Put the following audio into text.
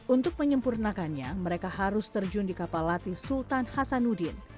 untuk menyempurnakannya mereka harus terjun di kapal latih sultan hasanuddin